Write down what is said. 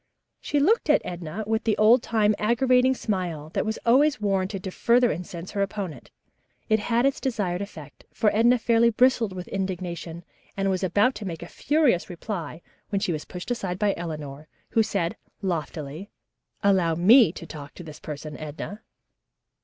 She looked at Edna with the old time aggravating smile that was always warranted to further incense her opponent. It had its desired effect, for Edna fairly bristled with indignation and was about to make a furious reply when she was pushed aside by Eleanor, who said loftily, "Allow me to talk to this person, Edna."